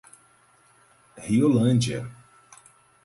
Riolândia